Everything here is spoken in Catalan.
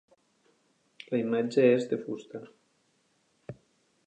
La imatge és de fusta.